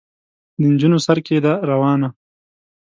د نجونو سر کې ده روانه.